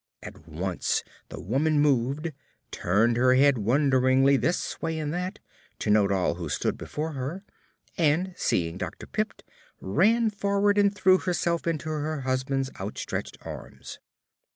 At once the woman moved, turned her head wonderingly this way and that, to note all who stood before her, and seeing Dr. Pipt, ran forward and threw herself into her husband's outstretched arms.